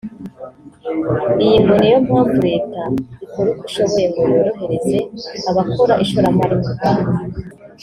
Iyi ngo niyo mpamvu leta ikora uko ishoboye ngo yorohereze abakora ishoramari mu Rwanda